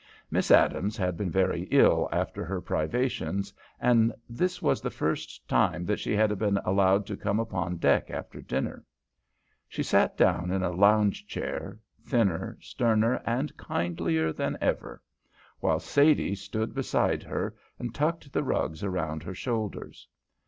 Miss Adams had been very ill after her privations, and this was the first time that she had been allowed to come upon deck after dinner. She sat now in a lounge chair, thinner, sterner, and kindlier than ever, while Sadie stood beside her and tucked the rugs around her shoulders.